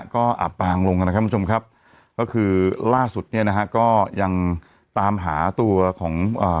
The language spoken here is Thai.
ก็อับปางลงนะครับคุณผู้ชมครับก็คือล่าสุดเนี่ยนะฮะก็ยังตามหาตัวของอ่า